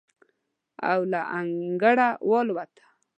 او له انګړه ووتله.